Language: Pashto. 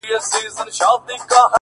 • د عقل بندیوانو د حساب کړۍ ماتېږي,